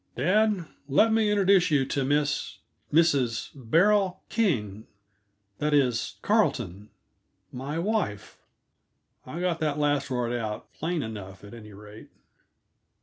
"Dad, let me introduce you to Miss Mrs. Beryl King that is, Carleton; my wife." I got that last word out plain enough, at any rate.